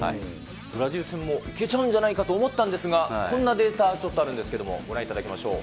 ブラジル戦もいけちゃうんじゃないかと思ったんですが、こんなデータ、ちょっとあるんですけども、ご覧いただきましょう。